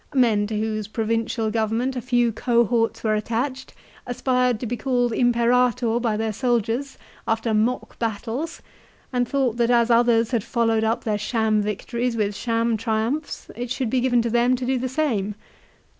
Men to whose provincial government a few cohorts were attached aspired to be called " Imperator " by their soldiers after mock battles, and thought that as others had followed up their sham victories with sham Triumphs, it should be given to them to do the same.